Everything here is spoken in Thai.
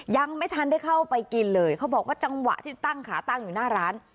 ยังไม่ทันได้เข้าไปกินเลยเขาบอกว่าจังหวะที่ตั้งขาตั้งอยู่หน้าร้าน